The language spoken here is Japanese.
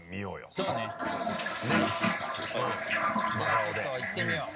じゃあちょっといってみよう。